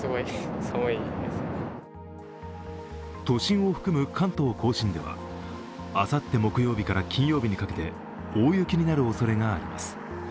都心を含む関東甲信ではあさって木曜日から金曜日にかけて大雪になるおそれがあります。